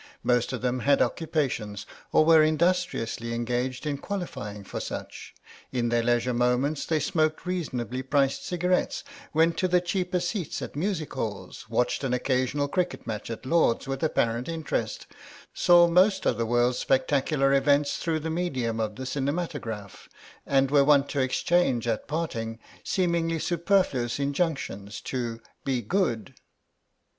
Most of them had occupations, or were industriously engaged in qualifying for such; in their leisure moments they smoked reasonably priced cigarettes, went to the cheaper seats at music halls, watched an occasional cricket match at Lord's with apparent interest, saw most of the world's spectacular events through the medium of the cinematograph, and were wont to exchange at parting seemingly superfluous injunctions to "be good."